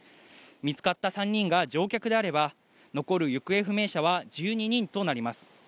見つかった３人が乗客であれば、残る行方不明者は１２人となります。